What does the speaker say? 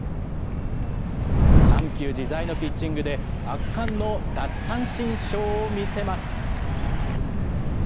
緩急自在のピッチングで、圧巻の奪三振ショーを見せます。